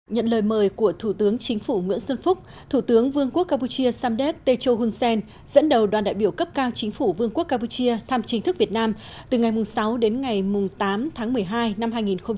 nhận lời mời của thủ tướng chính phủ nguyễn xuân phúc thủ tướng vương quốc campuchia samdet techo hun sen dẫn đầu đoàn đại biểu cấp cao chính phủ vương quốc campuchia thăm chính thức việt nam từ ngày sáu đến ngày tám tháng một mươi hai năm hai nghìn một mươi chín